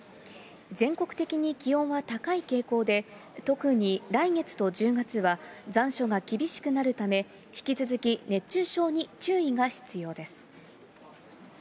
全国的に気温は高い傾向で、特に来月と１０月は残暑が厳しくなるため、引き続き、熱中症に注意が必要です。